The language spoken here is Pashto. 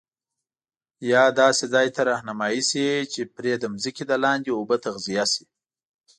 یا داسي ځاي ته رهنمایی شي چي پري د ځمکي دلاندي اوبه تغذیه شي